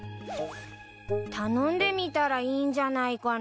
頼んでみたらいいんじゃないかな。